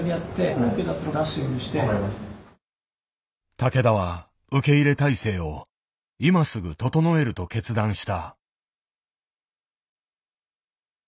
竹田は受け入れ態勢を今すぐ整えると決断した。